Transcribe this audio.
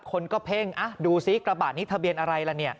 คนก็เพ่งดูซิกระบะนี้ทะเบียนอะไรล่ะเนี่ย